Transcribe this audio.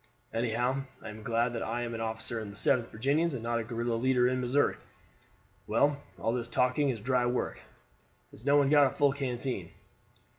Anyhow, I am glad that I am an officer in the 7th Virginians and not a guerrilla leader in Missouri. Well, all this talking is dry work. Has no one got a full canteen?"